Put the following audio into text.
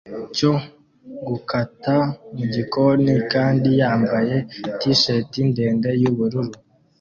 cyo gukata mu gikoni kandi yambaye t-shati ndende y'ubururu